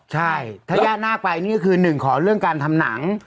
ใช่ถ้าย่านาคไปนี่ก็คือหนึ่งขอเรื่องการทำหนัง